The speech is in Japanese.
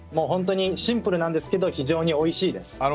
ホントにシンプルなんですけど非常においしいです。